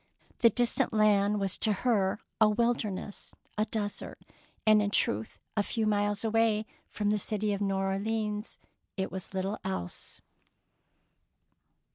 " The distant land was to her a wil derness, a desert; and, in truth, a few miles away from the city of New Orleans it was little else.